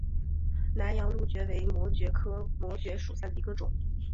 南洋蕗蕨为膜蕨科膜蕨属下的一个种。